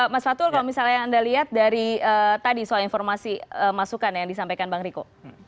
mas fatul kalau misalnya anda lihat dari tadi soal informasi masukan yang disampaikan bang riko